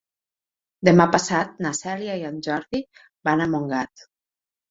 Demà passat na Cèlia i en Jordi van a Montgat.